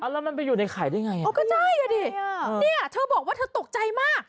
แล้วมันไปอยู่ในไข่ได้ไงอ๋อก็ใช่อ่ะดิเนี่ยเธอบอกว่าเธอตกใจมาก